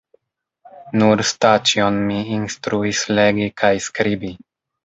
Nur Staĉjon mi instruis legi kaj skribi.